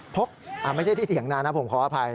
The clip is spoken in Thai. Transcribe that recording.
ไม่ใช่ที่เถียงนานะผมขออภัย